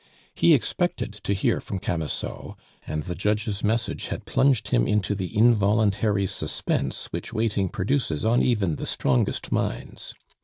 He expected to hear from Camusot, and the judge's message had plunged him into the involuntary suspense which waiting produces on even the strongest minds.